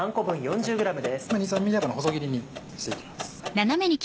２３ｍｍ角の細切りにしていきます。